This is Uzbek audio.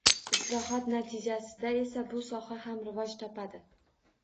Islohot natijasida esa bu soha ham rivoj topadi.